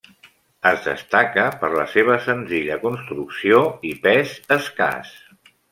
Es destaca per la seva senzilla construcció i pes escàs.